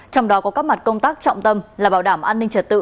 trong đó có các mặt công tác trọng tâm là bảo đảm an ninh trật tự